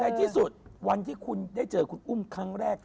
ในที่สุดวันที่คุณได้เจอคุณอุ้มครั้งแรก